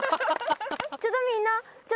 ちょっとみんな。